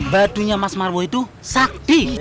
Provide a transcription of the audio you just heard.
batunya mas marmo itu sakdi